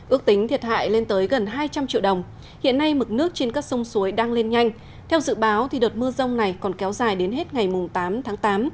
ước tính thiệt hại lên tới gần hai trăm linh triệu đồng hiện nay mực nước trên các sông suối đang lên nhanh theo dự báo đợt mưa rông này còn kéo dài đến hết ngày tám tháng tám